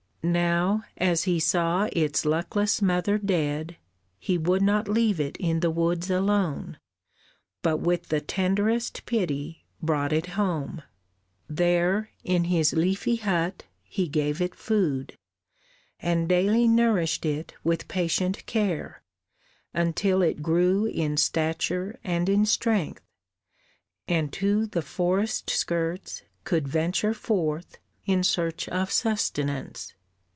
Now, as he saw its luckless mother dead, He would not leave it in the woods alone, But with the tenderest pity brought it home. There, in his leafy hut, he gave it food, And daily nourished it with patient care, Until it grew in stature and in strength, And to the forest skirts could venture forth In search of sustenance.